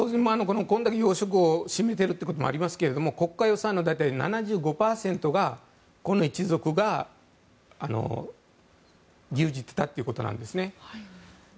これだけ要職を占めているということもありますが国家予算の大体７５％がこの一族が牛耳っていたということなんですね。